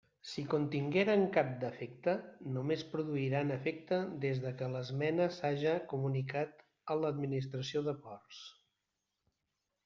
Si contingueren cap defecte, només produiran efecte des que l'esmena s'haja comunicat a l'administració de Ports.